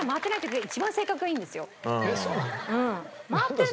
えっそうなの？